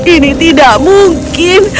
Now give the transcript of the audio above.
ini tidak mungkin